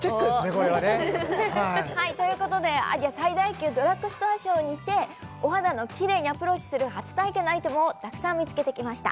これはねということでアジア最大級ドラッグストアショーにてお肌のキレイにアプローチする初体験のアイテムをたくさん見つけてきました